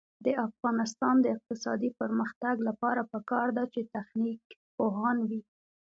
د افغانستان د اقتصادي پرمختګ لپاره پکار ده چې تخنیک پوهان وي.